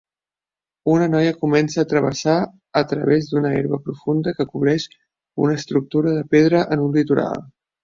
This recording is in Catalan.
Una noia comença a travessar a través d'una herba profunda que cobreix una estructura de pedra en un litoral.